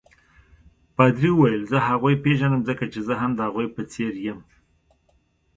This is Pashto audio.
پادري وویل: زه هغوی پیژنم ځکه چې زه هم د هغوی په څېر یم.